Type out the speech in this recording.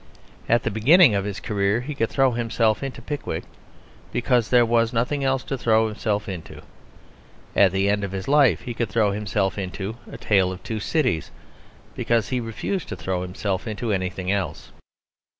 At the beginning of his career he could throw himself into Pickwick because there was nothing else to throw himself into. At the end of his life he could throw himself into A Tale of Two Cities, because he refused to throw himself into anything else.